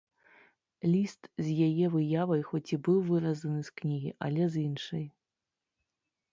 Ліст з яе выявай хоць і быў выразаны з кнігі, але з іншай.